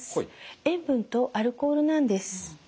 塩分とアルコールなんです。